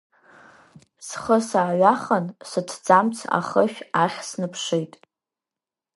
Схы сааҩахан, сыҭӡамц ахышә ахь снаԥшит.